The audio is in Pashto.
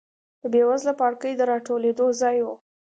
د بېوزله پاړکي د راټولېدو ځای و.